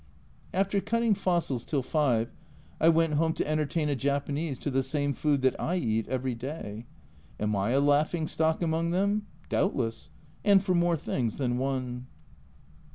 After cutting fossils till 5, I went home to entertain a Japanese to the same food that I eat every day. Am I a laughing stock among them ? Doubtless, and for more things than one.